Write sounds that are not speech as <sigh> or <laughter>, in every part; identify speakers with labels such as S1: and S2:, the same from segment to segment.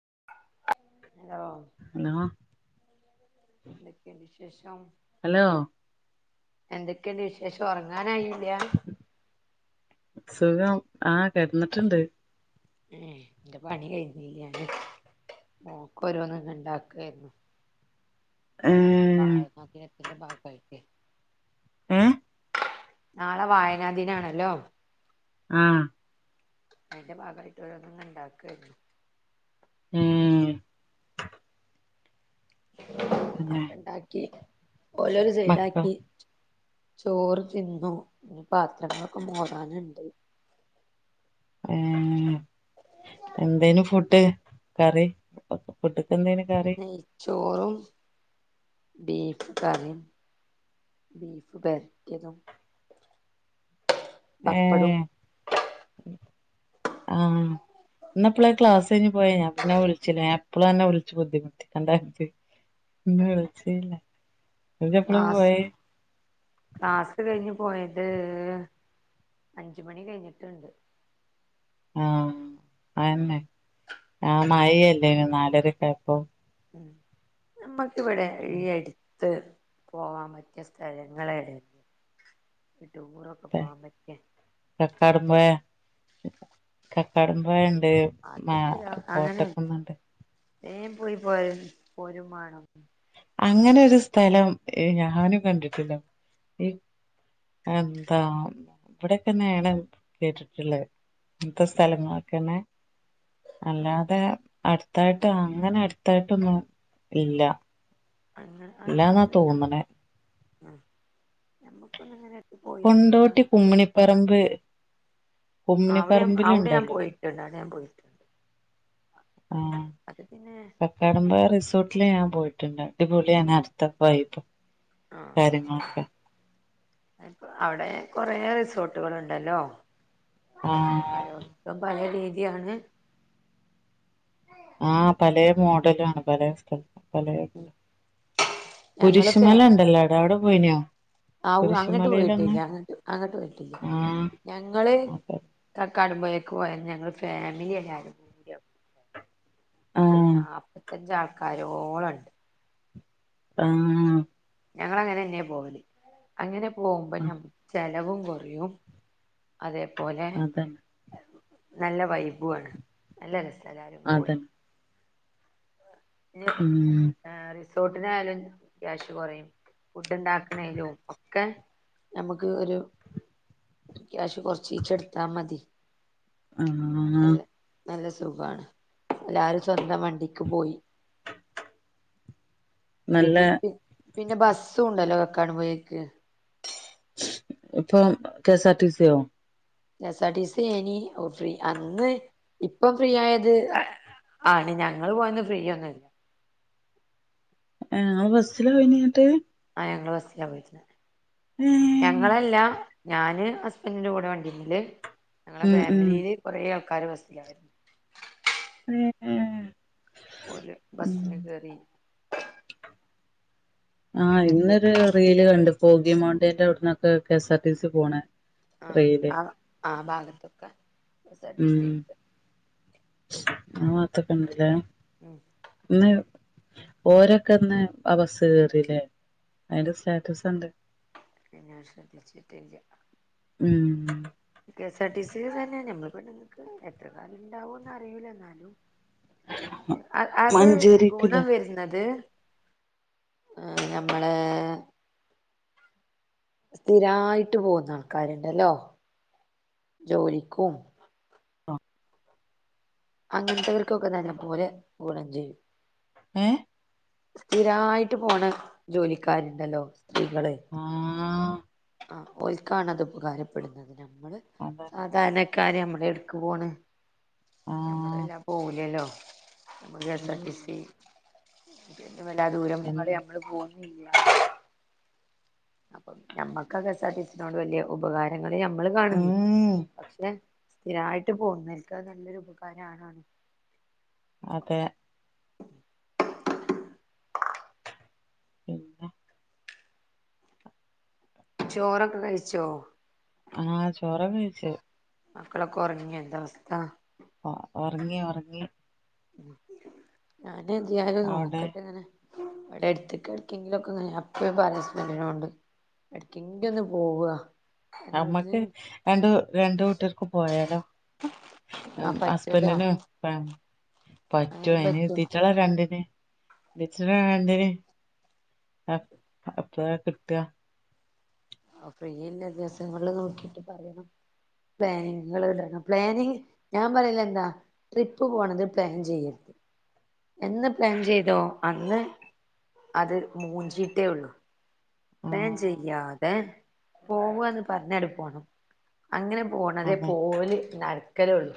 S1: <unintelligible> Hello?
S2: Hello
S1: എന്തൊക്കയൊണ്ട് വിശേഷം?
S2: Hello
S1: എന്തൊക്കെയുണ്ട് വിശേഷം, ഉറങ്ങാനായില്ല?
S2: സുഖം, ആഹ കടന്നിട്ടുണ്ട്.
S1: ഉം എന്റെ പണി കഴിഞ്ഞില്യാന്ന്, മോൾക്കോരോന്നൊക്കെ ഇണ്ടാക്കായിരുന്നു.
S2: ഏ
S1: പായ പാത്രത്തിന്റെ ബാ <unintelligible>
S2: ഏഹ്
S1: നാളെ വായനാ ദിനാണല്ലോ
S2: ആഹ്
S1: അതിന്റെ ഭാഗമായിട്ട് ഓരോന്നിങ്ങനെ ഉണ്ടാക്കായിരുന്നു
S2: ഉം
S1: അതൊണ്ടാക്കി ഓരോരു
S2: മക്കൾ
S1: സൈഡാക്കി ച്ചു ചോറ് തിന്നു പാത്രങ്ങളൊക്കെ മോടാനുണ്ട്
S2: ഏഹ് എന്തേനു ഫുഡ് കറി കുട്ടി
S1: നെയ് ചോറും ബീഫ് കറിയും ബീഫ് പെരട്ടിയതും
S2: ഏ
S1: പപ്പടും
S2: ആഹ് ഇന്നെപ്പളെ ക്ലാസ് ത്തേഞ്ഞു പോയീനോ പിന്നെ വിളിച്ചില്ല ഞാൻ എപ്പളും അന്നെ വിളിച്ചു ബുദ്ധിമുട്ടിക്കണ്ടെന്ന് വെച്ച് ഉം വിളിച്ചില
S1: ക്ലാസ് ക്ലാസ് കഴിഞ്ഞു പോയത് അഞ്ചുമണി കഴിഞ്ഞിട്ടുണ്ട്
S2: ആഹ് അതന്നെ ആ മഴയല്ലേ നാലരക്കായപ്പോ
S1: ഇമ്മ ക്കിവിടെ ഈ അടി ത്ത് പോകാൻ പറ്റിയ സ്ഥലങ്ങളെ
S2: പെ കക്കാടം പുയ കക്കാടുംമ്പുഴയ ണ്ട്
S1: അതിപ്പോ
S2: ആഹ്
S1: അങ്ങനെയല്ല
S2: കോട്ടക്കുന്നുണ്ട്
S1: വേം പോയി പോ പോരും വേണം
S2: അങ്ങനെ ഒരു സ്ഥലം ഏഹ് ഞാനും കണ്ടിട്ടില്ല ഈ എന്താ ഇവിടൊക്കെന്നേണം കേട്ടിട്ടുള്ളത് ഇപ്പോ സ്ഥലങ്ങളൊക്കെന്നെ
S1: ആഹ്
S2: അല്ലാതെ അടു അടുത്തായിട്ട് അങ്ങനെ അടുത്തായിട്ടൊന്നും ഇല്ല
S1: അങ്ങനെ
S2: ഇല്ലാന്നാ
S1: അങ്ങനെ
S2: തോന്നണെ
S1: ആഹ് ഞമ്മുക്കൊന്നങ്ങനെ
S2: കൊണ്ടോട്ടി കുമ്മിണിപ്പറമ്പ്
S1: അവിടെ അവിടെ ഞാൻ
S2: കുമ്മിണിപറമ്പിലുണ്ടല്ലോ
S1: പോയിട്ടുണ്ട് അവിടെ ഞാൻ പോയിട്ടുണ്ട്
S2: ആഹ്
S1: അത് പിന്നെ
S2: കക്കാടുംമ്പുഴ റിസോർട്ടില് ഞാൻ പോയി ട്ടുണ്ട് അടിപൊളിയാണ് അടുത്തെ വൈബ് കാര്യമാക്ക
S1: അവടെ കൊറെ റിസോർട്ടുകളുണ്ടല്ലോ
S2: ആഹ്
S1: പാലോട്ത്തും പലേ രീ തി ആണ്
S2: ആഹ് പലേ മോഡലു ആണ് പലേ സ്ഥല
S1: ഞങ്ങള് ഫേ
S2: കുരിശുമല ഉണ്ടല്ലോടാ അവിടെ അവിടെ പോയിനോ
S1: അവു അങ്ങട്ട്
S2: കുരിശുമലയിലൊന്ന്
S1: പോയിട്ടില്ല അങ്ങട്ട് അങ്ങട്ട് പോയിട്ടില്ല
S2: ആഹ്
S1: ഞങ്ങള്
S2: അതെ
S1: കക്കാടം പോയേക്ക് പോയന്ന് ഞങ്ങള് ഫാമിലി എല്ലാരും കൂടിയാ ഒരു
S2: ആഹ്
S1: നാപ്പത്തഞ്ചാള് കരോളണ്ട്
S2: ആഹ്
S1: ഞങ്ങള അങ്ങനെന്നെയാ പോവല് അങ്ങനെ പോവുമ്പോ
S2: ആഹ്
S1: ഞമ്മ ചെല ലവും കൊറയും അതേപോലെ
S2: അതന്നെ
S1: നല്ല വൈബു ആണ് നല്ല രസ എല്ലാരും പോയി
S2: അതന്നെ ഉം
S1: റിസോർട്ടിനായാലും ക്യാഷ് കൊറയും ഫുഡ് ഉണ്ടാക്കണേലും ഒക്കെ ഞമ്മക്ക് ഒരു ക്യാഷ് കൊറച്ചീച്ചെട്ത്താ മതി
S2: ആഹ്
S1: എല്ലാം നല്ല സുഖമാണ് എല്ലാരും സ്വന്തം വണ്ടിക്ക് പോയി
S2: നല്ല
S1: പിന്നെ പിൻ പിന്നെ ബസ്സുണ്ടല്ലോ കടമ്പോയേക്ക്
S2: ഇപ്പം കെ സ് ആർ ടി സ്യോ
S1: K S R T C എനീ ഓഹ് ഫ്രീ അന്ന് ഇപ്പം ഫ്രീ ആയത് ആണ് ഞങ്ങള് പോയന്ന് ഫ്രീ ഒന്നുല്ല
S2: ഏഹ് ബസ്സില് പോയിനഞ്ഞിട്ട്
S1: ആ ഞങ്ങള് ബസ്സിലാ പോയിര്ന്നത്
S2: ഏഹ്
S1: ഞങ്ങളല്ല ഞാന് ഹസ്ബന്റിന്റെ കൂടെ വണ്ടിമ്മല് ഞങ്ങളെ
S2: ഉം ഉം
S1: ഫാമിലീല് കൊറെ ആൾ കാര് ബസ്സിലായിരുന്നു
S2: മ് മ്
S1: ഓല് ബസ്സിന് കേറി
S2: ആ
S1: എന്നിട്ട്
S2: ഇന്നൊരു റീല് കണ്ട് പോഗി മോണ്ടേന്റെ അവിടന്നൊ കെസാർടിസി പോണേ
S1: അ ആ ആ ഭാഗത്തൊക്കെ കെസാർടിസി ഇണ്ട്
S2: ആവാതൊക്കെ ഉണ്ട് ല്ലേ
S1: ഉം
S2: ന്ന് ഓരൊക്കെ ഇന്ന് ആ ബസ്സ്‌ കേറിലെ അതിന്റെ സ്റ്റാറ്റസ്ണ്ട്
S1: ഞാ ശ്രദ്ധിച്ചിട്ടില്ല
S2: ഉം
S1: കെ സാആർ ടി സി തന്നെ <unintelligible> എത്ര കാലം ഇണ്ടാവുന്ന് അറിയില്ല എന്നാലും അ അത്
S2: മഞ്ചേരിക്ക്ല്ലേ
S1: ഗുണം വരുന്നത് ഹേ ഞമ്മളെ സ്ഥിരായിട്ട് പോകുന്ന ആൾക്കാര്ണ്ടല്ലോ ജോലിക്കും
S2: അ
S1: അങ്ങനത്തെവർക്കൊക്കെ നല്ലപോലെ ഗുണം ചെയ്യും
S2: ഏ
S1: സ്ഥിരായിട്ട് പോണ ജോലിക്കാര്ണ്ടല്ലോ സ്ത്രീകള്
S2: ആഹ്
S1: ഓൽക്കാണ് അത് ഉപകാരപ്പെടുന്നത് നമ്മള്
S2: അതന്നെ
S1: സാധാരണക്കാര് നമ്മ എട്ക്ക് പോണ് നമ്മള്
S2: ആഹ്
S1: വല്ലാ പോലല്ലോ
S2: ഉം
S1: കെസാർടിസി അത വലാ ദൂരം <unintelligible>
S2: എന്ന്
S1: <unintelligible> അപ്പൊ നമ്മക്കൊക്കെ <unintelligible> വല്യ ഉപകാരം ങ്ങള് ഞമ്മളേം കാണുന്നില്ലേ
S2: ഉം
S1: പക്ഷേ സ്ഥിരായിട്ട് പോകുന്നൊൽക്ക് അത് നല്ലൊരു ഉപകാരണാണ്
S2: അതെ പിന്നേ
S1: ചോറൊക്കെ കഴിച്ചോ
S2: ആഹ് ചോറൊക്കെ കഴിച്ച്
S1: മക്കളെ കുറങ്ങ എന്ത അവസ്ഥ
S2: ഉറങ്ങി ഉറങ്ങി
S1: ആഹ് അെ എന്ന്തയാലും
S2: അവിടെ
S1: നോക്കട്ടെ ഇങ്ങനെ ഇവിടെ എടുത്തക്ക എടക്കെങ്കിലുംക്കങ്ങനെ ഞ എപ്പഴും പറി ഹസ്ബന്റിനോട് എടക്കെങ്കില ഒന്ന് പോവ
S2: അമ്മക്ക് രണ്ട് രണ്ട് വീട്ടികർക്ക് പോയാലോ
S1: ആ പറ്റൂല്ലോ
S2: ഹസ്ബൻഡിനും ഫാമി പറ്റുവ
S1: അങ്ങനെയും
S2: അയ്ന്
S1: പറ്റും
S2: ഇതിറ്റങ്ങളാ രണ്ടിനും <unintelligible> വേണ്ടര് അ അപ്പ കിട്ട
S1: ഫ്രീയില്ല ദിവസങ്ങള് നോക്കിട്ട് പറയണം പ്ലാനിങ്ങ് ഇടണം പ്ലാനിങ് ഞാൻ പറയില്ല എന്താ ട്രിപ്പ് പോണത് പ്ലാൻ ചെയ്യരുത് എന്ന് പ്ലാൻ ചെയ്തോ അന്ന് അത് മുഞ്ചിട്ടേ ഉള്ളൂ പ്ലാൻ
S2: ആഹ്
S1: ചെയ്യാതെ പോവന്ന് പറഞ്ഞണ്ട് പോണം അങ്ങനെ പോകണതേ
S2: അതെ
S1: പോവല് നട നടക്കലുള്ളൂ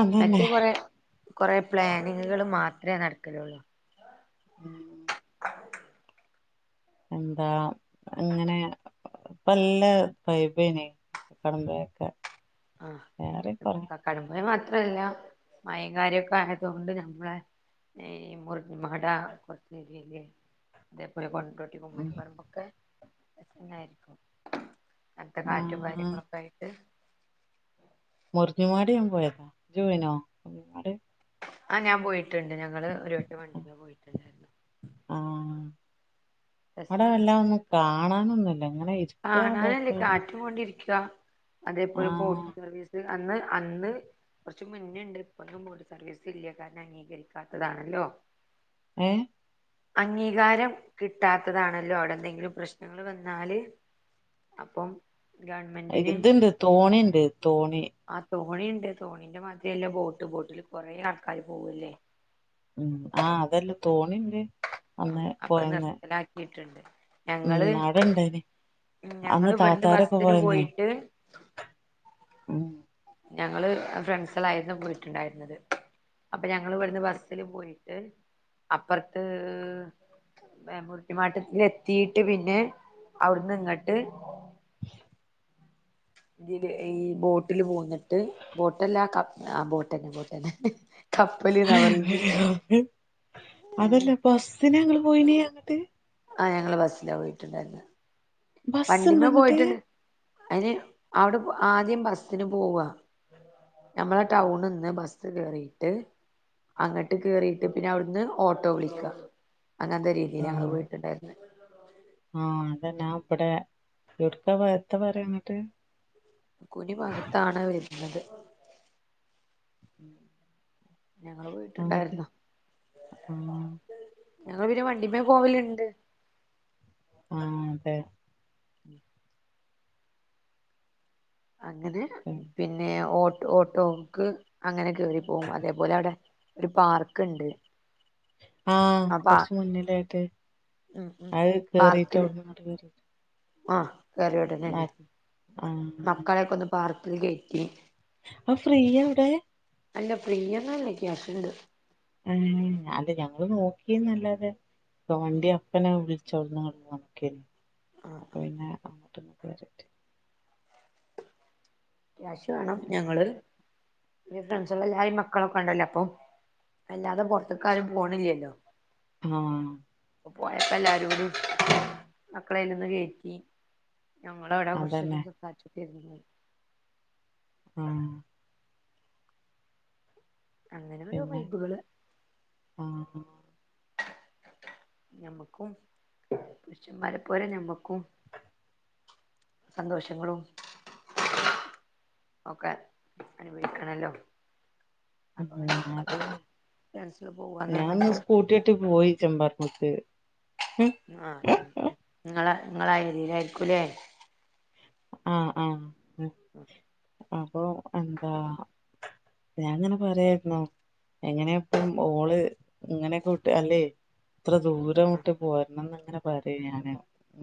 S2: അതന്നെ
S1: മറ്റേ കൊറെ കുറെേ പ്ലാനിങ്ങുകള് മാത്രമേ നടക്കലുള്ളൂ
S2: ഉം എന്താ ഇങ്ങനെ പല്ല് വൈബ് കക്കാടംപുയക്കെ
S1: ആഹ് കക്കാടംപൊയിൽ മാത്ര മാത്രല്ല മയം കാരോക്കെ ആയതുക കൊണ്ട് നമ്മള ഈ മുറിഞ്ഞമാട കുറച്ച രിൽ അതേപോലെ കൊണ്ടോട്ടി കൊണ്ടോട്ടി
S2: ഉം
S1: കുമ്മിണിപ്പറമ്പ് ഒക്കെ ന്നായിരിക്കും കട്ത്തെ കാറ്റും
S2: ആഹ്
S1: കാര്യങ്ങളൊക്കെ ആയിട്ട്
S2: മുറിഞ്ഞിമാട് ഞാൻ പോയതാ ഇജ്ജ് പോയിനോ മുറിഞ്ഞുമാട്
S1: ആഹ പ ഞാൻ പോയി ട്ടുണ്ട് ഞങ്ങള് ഒരു വട്ടം വണ്ടി പോയിട്ടുണ്ടായിരുന്നു
S2: ആഹ് അവിടെ
S1: രസാണ്
S2: വല്ലാം നിക്കാ കാണാനൊ
S1: കാണാനല്ലേ കാറ്റ കൊണ്ടിരി രിക്ക അതേപോലെ ബോട്ട്
S2: ആഹ്
S1: സർവീസ് അന്ന് അന്ന് കുറച്ച് മുന്നണ്ട് ഇപ്പും മട് സർവീസ് ഇല്ല കാരണം അംഗീകരിക്കാത്തതാണല്ലോ
S2: ഏ
S1: അംഗീകാരം കിട്ടാത്തതാണല്ലോ അവിടെ എന്തെങ്കിലും പ്രശ്നങ്ങൾ വന്നാല് അപ്പം ഗവൺമെന്റിന്
S2: ഇത്ണ്ട് തോണിണ്ട് തോണി
S1: തോണിഉണ്ട് തോണിന്റെ മാതിരില്ല ബോട്ട് ബോട്ടില് കുറെേ ആൾക്കാാര് പോവല്ലേ
S2: ഉ ആഹ് അതെല്ല തോണിണ്ട്
S1: ആ
S2: അന്ന്
S1: അപ്പൊ
S2: പോയന്ന്
S1: നിർത്തലാക്കി ടുണ്ട്
S2: ഉം അടണ്ടായിന് അന്ന്
S1: ഞങ്ങള് ഇവിടുന്ന്
S2: താത്താരൊക്കെ
S1: ബസ്സിന്
S2: പോയന്നേ
S1: പോയിട്ട്
S2: ഉ
S1: ഞങ്ങള് ഫ്രണ്ട്സിലായിരുന്നു പോയിട്ടുണ്ടായിരുന്നത് അപ്പൊ ഞങ്ങ ഇവിടുന്ന് ബസ്സില് പോയിട്ട് അപ്പുറത്ത് മുരട്ടിമാട്ടൽ എത്തിട്ട് പിന്നെ അവിടുന്ന് ഇങ്ങോട്ട് ഇതി ഈ ബോട്ടിൽ പോന്നിട്ട് ബോട്ട്ല്ല ആ ബോട്ട് തന്നെ ബോട്ട് തന്നെ
S2: അതല്ലപ്പ ബസ്സിനെ ഇങ്ങള് പോയി അങ്ങോട്ട
S1: ആഹ ഞങ്ങള് ബസ്സിലാ പോയിട്ടുണ്ടായിരുന്നെ
S2: ബസ്സുണ്ട്
S1: വണ്ടിമ്മെ
S2: അങ്ങട്ട്
S1: പോയിട്ടുണ്ട് അയിന് അവിടെ ആദ്യം ബസ്സിന് പോവ ഞമ്മളെ ടൗണ്ന്ന് ബസ്സ് കേറിട്ട് അങ്ങട്ട് കേറിയിട്ട് പിന്നെ അവിടുന്ന് ഓട്ടോ വിളിക്കാ അങ്ങനത്തെ രീതിയിലാ
S2: ഉം
S1: ഞങ്ങള് പോയിട്ടുണ്ടായിരുന്നത്
S2: ആഹ് അതന്നാ ആബ്ബടെ എടുക്ക എത്ത പറയാങ്ങട്ട്
S1: കുനി ഭാഗത്താണ് വരുന്നത്
S2: ഉം
S1: ഞങ്ങള് പോയിട്ടുണ്ടായിരുന്നു
S2: ആഹ്
S1: ഞങ്ങള് പിന്നെ വണ്ടിമ്മെ പോവലുണ്ട്
S2: ആ അതെ
S1: ഉം അങ്ങനെ പിന്നെ ഓ ഓട്ടോക്ക് അങ്ങനെ യറി പോകും അതേപോലെ അവിടെ ഒരു പാർക്ക് ണ്ട്
S2: ആഹ് കൊറച്ച് മുന്നിലായിട്ട്
S1: ഉം ഉം
S2: അത് കേറീട്ട അവിട്ന്നിങ്ങോട്ട് കേറി
S1: ആ കയറിയ ഉടനെന്നെ മക്കളെയൊക്കെ ഒന്ന് പാർക്കി അത് കഴിക്കി
S2: ആ ഫ്രീ എവിടെ
S1: അല്ല ഫ്രീയൊന്നല്ല ക്യാഷ്ണ്ട്
S2: ഏ അത് ഞങ്ങള് നോക്കിന്നല്ലാതെ അപ്പ
S1: ഉം
S2: വണ്ടി അപ്പനെ വിള ചൗട്ന്നങ്ങട്ട് കണക്കെയ്നു
S1: ആഹ്
S2: അപ്പൊ
S1: ആഹ്
S2: പിന്നെ അങ്ങോട്ട്ന്ന
S1: ക്യാഷ് വേണം ഞങ്ങള് ഫ്രണ്ട്സാള് എല്ലാരിം മക്കളൊക്കെ ഉണ്ടല്ലോ അപ്പൊ വല്ലാതെ പൊർത്ത്ക്കാരും പോണില്ലല്ലോ
S2: ആ
S1: അപ്പൊ പോയപ്പോ എല്ലാരും കൂടി മക്കളയ്ലൊന്ന് കയറ്റി ഞങ്ങളവടെ കൊറച്ചേരം
S2: അതന്നെ
S1: സംസാരി <unintelligible>
S2: ആഹ്
S1: അങ്ങനെ ഓരോ
S2: പിന്നെ
S1: വൈബുകള്
S2: ആഹ്
S1: ഞമ്മക്കും പുരുഷന്മാരെ പോലെ ഞമ്മക്കും സന്തോഷങ്ങളും ഒക്കെ അനുഭവിക്കണല്ലോ അപ്പൊ അങ്ങനെ
S2: ഉം അതന്നെ
S1: ഫ്രണ്ട്സില് പോവാന്ന്
S2: ഞാൻ
S1: പറഞ്ഞപ്പോ
S2: ഒന്ന് സ്കൂട്ടിഓട്ടി പോയി ചെമ്പാറമക്ക് <unintelligible>
S1: ആ ആഹ് ആഹ് ഇങ്ങളെ ഇങ്ങളെ ആ ഏരിയേലായിരിക്കൂല്ലേ?
S2: ആഹ് ആഹ് മ് അപ്പൊ എന്താ ഞാനങ്ങനെ പറയാരുന്നു എങ്ങനെ അപ്പം ഓള് ഇങ്ങനെക്കൂട്ട് അല്ലെ എത്ര ദൂരം മുട്ടി പോരണംന്ന് ഇങ്ങന പറ പറേ ഞാന്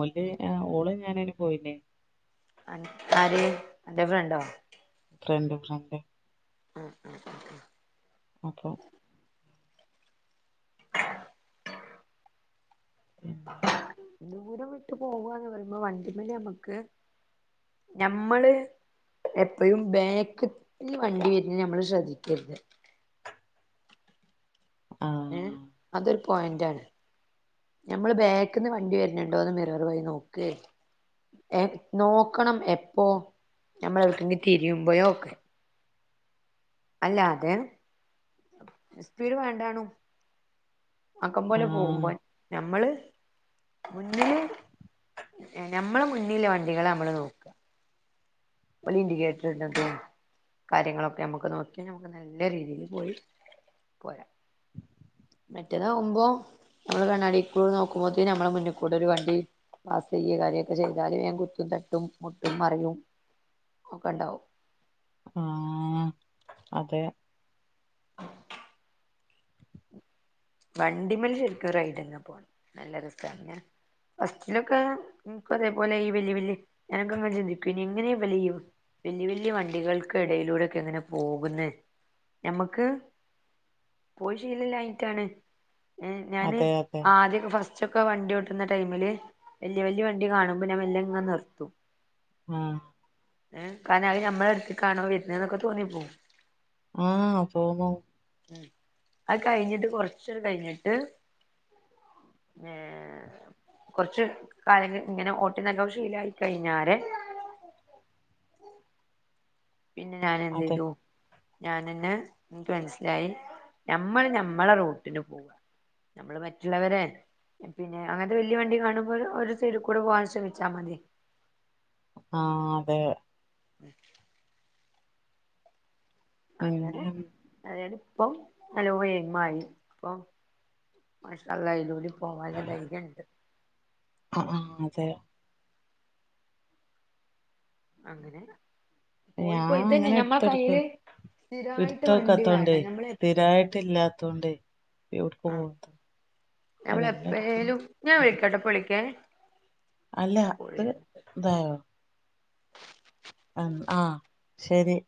S2: ഓലത് ആ ഓള് ഞാനയിന് പോയില്ലേ
S1: അൻ ആര് അന്റെ ഫ്രണ്ടോ?
S2: ഫ്രണ്ട് ഫ്രണ്ട്
S1: ഉം ഉം ഉം
S2: അപ്പം ഉം
S1: ദൂരം വിട്ട് പോവുവാന്ന് പറയുമ്പ വണ്ടി മ്മല് ഞമ്മക്ക് ഞമ്മള് എപ്പഴും ബേക്ക്ത് ല് വണ്ടി വരുന്ന ഞമ്മള് ശ്രദ്ധിക്കരുത് ഏ
S2: ആഹ്
S1: അതൊരു പോയിന്റ് ആണ് ഞമ്മള് ബാക്ക്ന്ന് വണ്ടി വര്ന്നുണ്ടോന്ന് മിറർ വഴി നോക്കേ ഏ നോക്കണം എപ്പോ ഞമ്മള് എടെക്കെങ്കിലും തിരിയുമ്പൊഴോ ഒക്കെ അല്ലാതെ സ്പീട് വേണ്ടാണു ആക്കം പോലെ
S2: ആഹ്
S1: പോകുമ്പോൻ ഞമ്മള് മുന്നില് എ ഞമ്മള മുന്നില് വണ്ടികളെ ഞമ്മള് നോക്ക്വാ പ്പള് ഇൻഡിക്കേറ്ററിടുന്നതും കാര്യങ്ങളൊക്കെ നമ്മ്ക്ക് നോക്കിയാ നമ്മക്ക് നല്ല രീതീല് പോയി പോരാം മറ്റതാവുമ്പോ നമ്മള് കണ്ണാടികൂടെ നോക്കുമ്പോത്തേന് ഞമ്മളെ മുന്നിൽ കൂടെ ഒരു വണ്ടി പാസ്‌യ്യേ കാര്യൊക്കെ ചെയ്താല് ഞാൻ കുത്തും തട്ടും മുട്ടും മറയും ഒക്കെ ഇണ്ടാവും
S2: ആഹ് അതെ
S1: വണ്ടി മേല് ശരിക്കും റൈഡ് ന്നപോണം നല്ല രസാണ് ഞാൻ ഫസ്റ്റിലൊക്കെ ന്ക്ക് അതേപോലെ ഈ വല്യവല്യ ഞാനക്കങ്ങനെ ചിന്തിക്കും ഇനി എങ്ങനെയാ ഇവല് ഇ വല്യ വല്യ വണ്ടികൾക്കെടയിലൂടെ ക്കെങ്ങനെ പോക്ന്നേ ഞമ്മക്ക് പോയി ശീല ഇല്ലായ്ഞ്ഞിട്ടാണ് ഏ ഞാന്
S2: അതെ അതെ
S1: ആദ്യൊക്കെ ഫസ്റ്റ് ച്ചൊക്ക വണ്ടി ഓട്ടുന്ന ടൈമില് വല്യ വല്യ വണ്ടി കാണുമ്പ ഞാൻ മെല്ലെ ഇങ്ങനെ നിർത്തും
S2: ആഹ്
S1: ഏ കാരണം അത് ഞമ്മളടുത്ത്ക്കാണോ വരുന്ന എന്നൊക്കെ തോന്നിപ്പോവും
S2: ആഹ് തോന്നും
S1: അത് കഴിഞ്ഞിട്ട് കൊറച്ച് ഷൽ കഴിഞ്ഞിട്ട് ഏ കൊറച്ച് കാലങ്ങ് ഇങ്ങന ഓട്ടിനകം ശീലായി കഴിഞ്ഞാല് പിന്നെ ഞാൻ എന്ത്
S2: അതെ
S1: എയ്തു ഞാൻ എന്നെ നിക്ക് മനസ്സിലായി ഞമ്മൾ ഞമ്മള റൂട്ട്ന് പോവ ഞമ്മള് മറ്റുള്ളവരെ പിന്നെ അങ്ങനത്തെ വല്യ വണ്ടി കാണുമ്പോഴ് ഒരു സൈഡി കൂടെ പോവാൻ ശ്രമിച്ചാ മതി
S2: ആഹ് അതെ
S1: <inaudible> അങ്ങനെ
S2: പിന്നെ
S1: അത് <unintelligible> ഇപ്പം നല്ലോഎയിമായി അപ്പം മാഷഅള്ളാ ഇയ്ലൂടി പോവാള്ള ധൈര്യം ഇണ്ട്.
S2: ആ ആഹ് അതെയോ
S1: അങ്ങനെ
S2: ഞാൻ
S1: പോയിപ്പോയ് ഇതന്നെ
S2: അങ്ങനെ
S1: ഞമ്മ
S2: എടുത്തൊടുക്ക്
S1: കയ്യ്‌ല് സ്ഥിരായിട്ട് വണ്ടി
S2: ഇടുത്തോക്കാത്തോണ്ടേ
S1: വേണം ഞമ്മള് എപ്പ
S2: സ്ഥിരായിട്ട് ഇല്ലാത്തോണ്ടേ എവിട്ക്ക്
S1: ആ
S2: പോവാത്ത ആ
S1: ഞമ്മള്
S2: ബെല്ലടിക്ക്ണ്
S1: എപ്പഴേലും ഞാൻ വെക്കട്ടേ പ്പവിളിക്കേ
S2: അല്ല അത് ഇതായോ അങ് ആഹ് ശരി